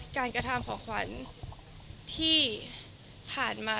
กระทำของขวัญที่ผ่านมา